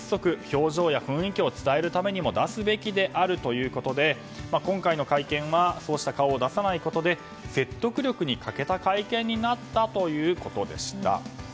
表情や雰囲気を伝えるためにも出すべきであるということで今回の会見はそうした顔を出さないことで説得力に欠けた会見になったということでした。